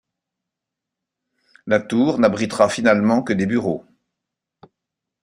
La tour n'abritera finalement que des bureaux.